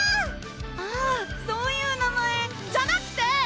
あぁそういう名前じゃなくて！